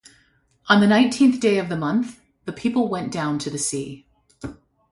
On the nineteenth day of the month, the people went down to the sea.